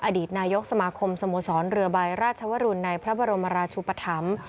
อดีตนายกสมาคมสโมสรเรือใบราชวรุณในพระบรมราชุปธรรม